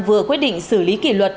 vừa quyết định xử lý kỷ luật